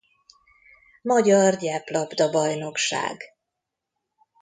Magyar gyeplabdabajnokság